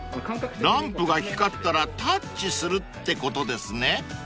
［ランプが光ったらタッチするってことですね］